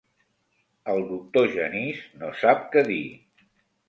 El doctor Genís no sap què dir.